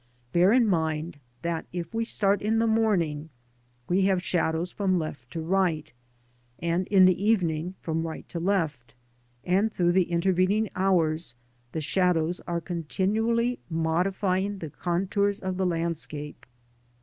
Bear in mind that if we start in the morning, we have the shadows from left to right, and in the evening from right to left, and through the intervening hours the shadows are continually modifying the contours of the landscape.